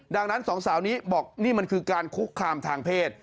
ดังนั้นสองสาวนี้บอกนี่มันคือการคุกคามทางเพศ